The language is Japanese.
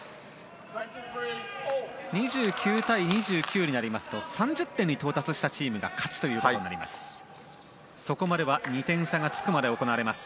２９対２９になりますと３０点に到達したチームが勝ちとなります。